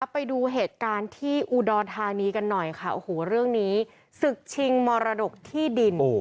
ไปดูเหตุการณ์ที่อุดรธานีกันหน่อยค่ะโอ้โหเรื่องนี้ศึกชิงมรดกที่ดิน